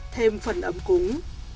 thêm phần ấm cúng